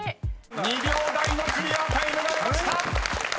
［２秒台のクリアタイムが出ました！］